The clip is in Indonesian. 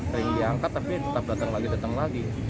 sering diangkat tapi tetap datang lagi datang lagi